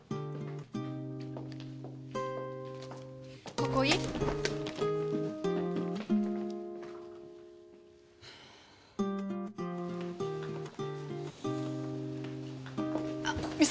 ここいい？あっ美園。